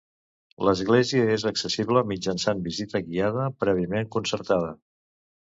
L'església és accessible mitjançant visita guiada prèviament concertada.